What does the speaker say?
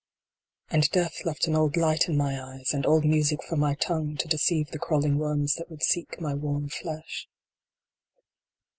And Death left an old light in my eyes, and old music for my tongue, to deceive the crawling worms that would seek my warm flesh.